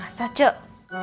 aku mau pergi ke rumah